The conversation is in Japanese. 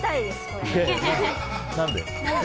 何で？